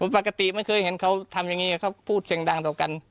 ปกติไม่เคยเห็นเขาทำอย่างนี้เขาพูดเสียงดังต่อกัน